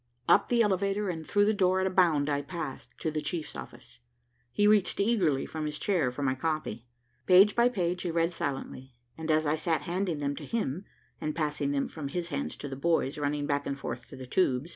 Up the elevator and through the door at a bound I passed, to the chief's office. He reached eagerly from his chair for my copy. Page by page he read silently, as I sat handing them to him, and passing them from his hands to the boys running back and forth to the tubes.